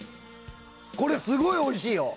これ、すごいおいしいよ。